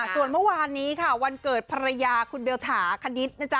ส่วนเมื่อวานนี้ค่ะวันเกิดภรรยาคุณเบลถาคณิตนะจ๊